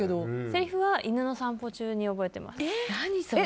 セリフは犬の散歩中に覚えてます。